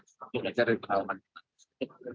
untuk belajar dari pendalaman